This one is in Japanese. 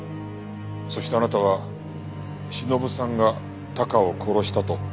そしてあなたはしのぶさんがタカを殺したと思い込んだ。